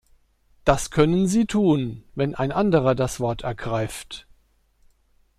Das können Sie tun, wenn ein anderer das Wort ergreift.